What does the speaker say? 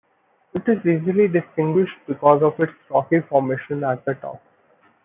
It is easily distinguished because of its rocky formation at the top.